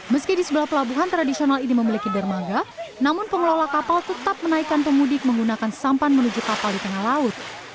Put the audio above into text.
meski di sebelah pelabuhan tradisional ini memiliki dermaga namun pengelola kapal tetap menaikkan pemudik menggunakan sampan menuju kapal di tengah laut